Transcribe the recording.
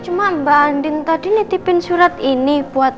ode bidul bidul tanya